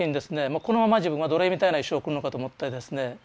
もうこのまま自分は奴隷みたいな一生を送るのかと思ってですね